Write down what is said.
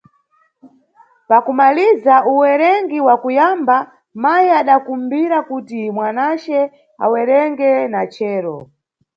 Pa kumaliza uwerengi wa kuyamba, mayi adakumbira kuti mwanace awerenge na chero.